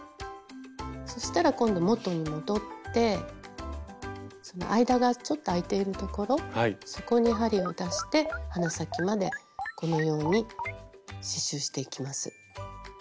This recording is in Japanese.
そしたら今度元に戻ってその間がちょっとあいているところそこに針を出して鼻先までこのように刺しゅうしていきます。